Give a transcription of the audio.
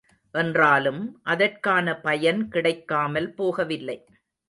என்றாலும், அதற்கான பயன் கிடைக்காமல் போகவில்லை.